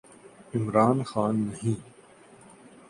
عمران خان نہیں۔